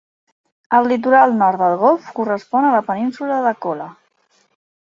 El litoral nord del golf correspon a la península de Kola.